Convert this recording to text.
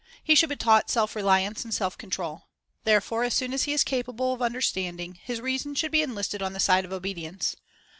He should be taught self reliance and self control. Therefore as soon as he is capable of understanding, his reason should be enlisted on the side of obedience.